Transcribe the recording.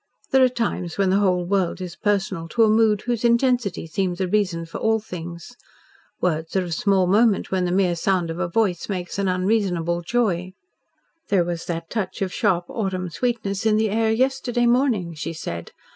There are times when the whole world is personal to a mood whose intensity seems a reason for all things. Words are of small moment when the mere sound of a voice makes an unreasonable joy. "There was that touch of sharp autumn sweetness in the air yesterday morning," she said.